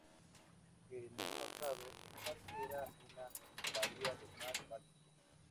En el pasado, el parque era una bahía del mar Báltico.